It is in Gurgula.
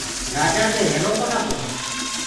رآجآ دي ريهرو ڪونآ گو